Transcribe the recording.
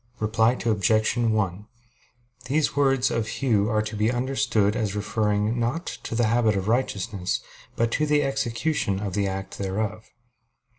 Reply Obj. 1: These words of Hugh are to be understood as referring, not to the habit of righteousness, but to the execution of the act thereof.